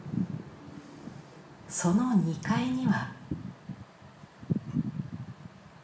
その２階には。